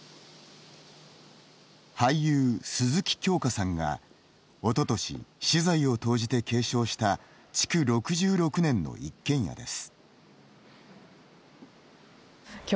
俳優、鈴木京香さんがおととし私財を投じて継承した築６６年の一軒家です。